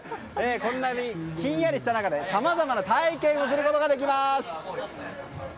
こんなにひんやりした中でさまざまな体験をすることができます。